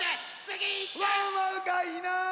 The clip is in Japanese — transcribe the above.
ワンワンがいない！